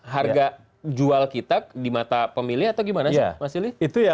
harga jual kita di mata pemilih atau gimana sih mas silih